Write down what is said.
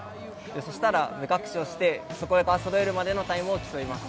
そしたら目隠しをして、そこからそろえるまでのタイムを競います。